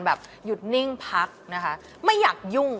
หยุดนิ่งพักนะคะไม่อยากยุ่ง